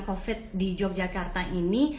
covid di yogyakarta ini